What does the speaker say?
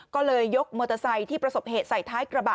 ก็เลยยกมอเตอร์ไซค์ที่ประสบเหตุใส่ท้ายกระบะ